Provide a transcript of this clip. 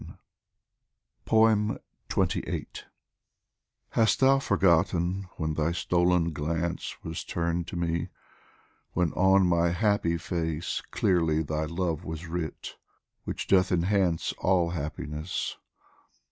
DIVAN OF HAFIZ XXVIII HAST thou forgotten when thy stolen glance Was turned to me, when on my happy face Clearly thy love was writ, which doth enhance All happiness